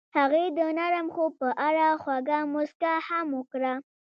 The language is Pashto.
هغې د نرم خوب په اړه خوږه موسکا هم وکړه.